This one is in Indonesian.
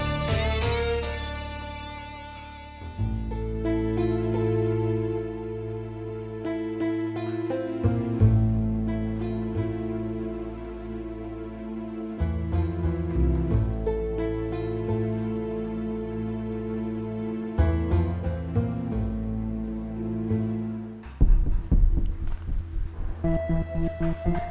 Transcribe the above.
jangan dikicuk dong